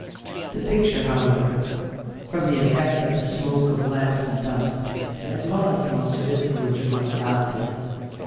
The picture, however, from the effect of the smoke of lamps and dust, had lost much of its original vivacity.